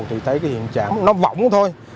thì thấy cái hiện trạng nó vỏng thôi